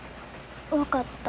分かった。